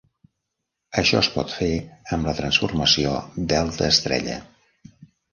Això es pot fer amb la transformació delta estrella.